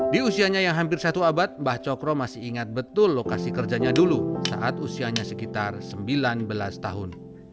di usianya yang hampir satu abad mbah cokro masih ingat betul lokasi kerjanya dulu saat usianya sekitar sembilan belas tahun